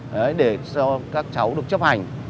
đấy để cho các cháu được chấp hành